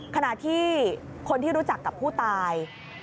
ขณะที่คนที่รู้จักกับผู้ตาย